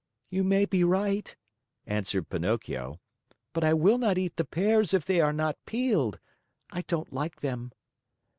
"You may be right," answered Pinocchio, "but I will not eat the pears if they are not peeled. I don't like them."